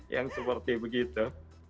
yang seperti begitu